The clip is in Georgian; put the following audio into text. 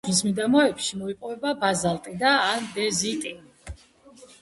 სოფლის მიდამოებში მოიპოვება ბაზალტი და ანდეზიტი.